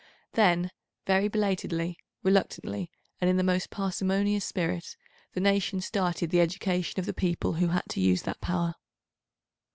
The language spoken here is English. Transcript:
Then very belatedly, reluctantly, and in the most parsimonious spirit, the nations started the education of the people who had to use that power.